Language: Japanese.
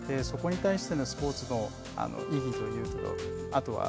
そこに対してのスポーツの意義ということ